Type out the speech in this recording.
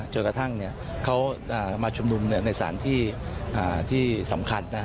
จนกระทั่งเขามาชุมนุมในสารที่สำคัญ